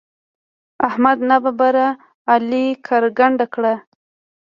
احمد ناببره علي کرکنډه کړ.